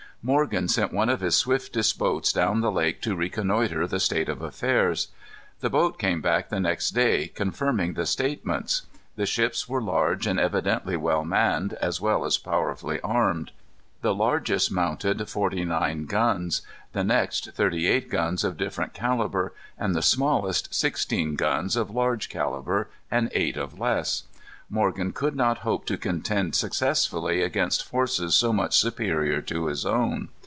Morgan sent one of his swiftest boats down the lake to reconnoitre the state of affairs. The boat came back the next day, confirming the statements. The ships were large and evidently well manned, as well as powerfully armed. The largest mounted forty nine guns; the next, thirty eight guns of different calibre, and the smallest, sixteen guns of large calibre, and eight of less. Morgan could not hope to contend successfully against forces so much superior to his own.